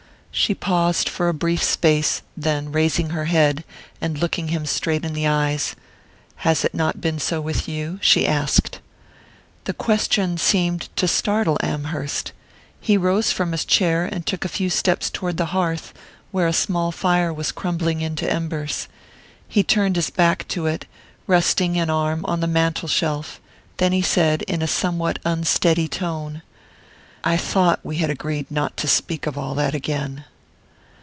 She paused for a brief space, and then, raising her head, and looking him straight in the eyes: "Has it not been so with you?" she asked. The question seemed to startle Amherst. He rose from his chair and took a few steps toward the hearth, where a small fire was crumbling into embers. He turned his back to it, resting an arm on the mantel shelf; then he said, in a somewhat unsteady tone: "I thought we had agreed not to speak of all that again."